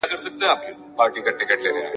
چي لا اوسي دلته قوم د جاهلانو !.